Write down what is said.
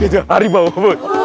itu harimau ibu